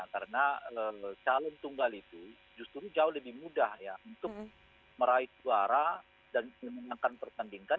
karena calon tunggal itu justru jauh lebih mudah untuk meraih juara dan menangkan pertandingan